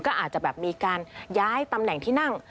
ก็อาจจะแบบมีการย้ายตำแหน่งที่นั่ง